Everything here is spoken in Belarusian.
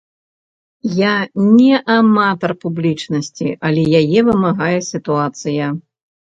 Я не аматар публічнасці, але яе вымагае сітуацыя.